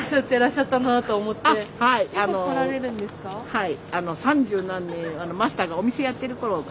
はい。